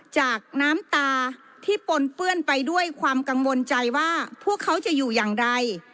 จากน้ำตาที่ปนเปื้อนไปด้วยความกังวลใจว่าพวกเขาจะอยู่อย่างไร